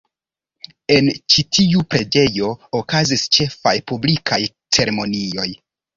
En ĉi tiu preĝejo okazis ĉefaj publikaj ceremonioj.